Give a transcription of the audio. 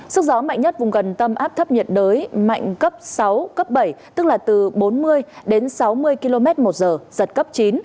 sức gió mạnh nhất vùng gần tâm áp thấp nhiệt đới mạnh cấp sáu cấp bảy tức là từ bốn mươi đến sáu mươi km một giờ giật cấp chín